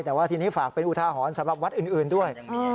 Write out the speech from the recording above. แต่ว่าทีนี้ฝากเป็นอุทาหรณ์สำหรับวัดอื่นด้วย